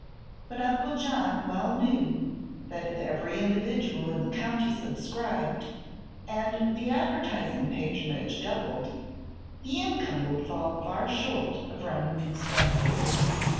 But Uncle John well knew that if every individual in the county subscribed, and the advertising patronage doubled, the income would fall far short of running expenses.